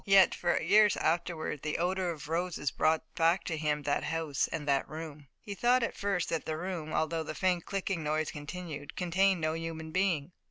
Yet, for years afterward, the odor of roses brought back to him that house and that room. He thought at first that the room, although the faint clicking noise continued, contained no human being.